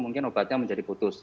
mungkin obatnya menjadi putus